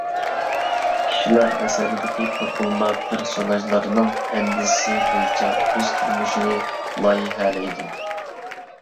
كىشىلەر ئەسەردىكى توقۇلما. پېرسوناژلارنىڭ ئەندىزىسى بويىچە ئۆز تۇرمۇشىنى لايىھەلەيدۇ.